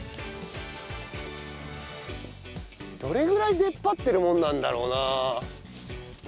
どれぐらい出っ張ってるもんなんだろうな。